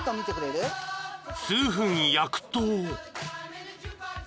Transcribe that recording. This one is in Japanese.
［数分焼くと］